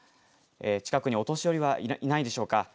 近くにお年寄りはいないでしょうか。